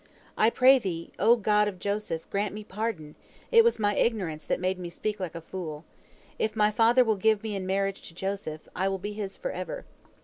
I pray Thee, O God of Joseph, grant me pardon! It was my ignorance that made me speak like a fool. If my father will give me in marriage to Joseph, I will be his forever."